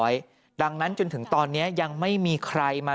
หลังจากพบศพผู้หญิงปริศนาตายตรงนี้ครับ